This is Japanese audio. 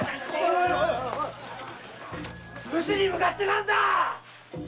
武士に向かって何だっ‼